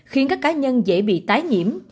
khiến các cá nhân dễ bị tái nhiễm